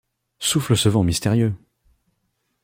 Souffle ce vent mystérieux !